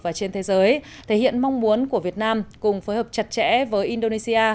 và trên thế giới thể hiện mong muốn của việt nam cùng phối hợp chặt chẽ với indonesia